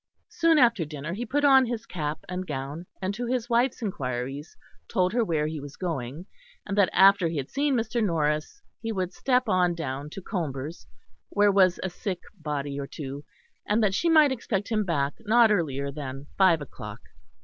Soon after dinner he put on his cap and gown, and to his wife's inquiries told her where he was going, and that after he had seen Mr. Norris he would step on down to Comber's, where was a sick body or two, and that she might expect him back not earlier than five o'clock.